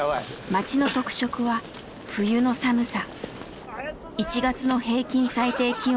町の特色は冬の寒さ。